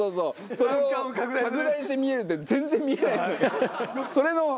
それを拡大して見えるって全然見えないっていうね。